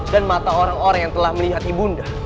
dan mata orang orang yang telah melihat ibu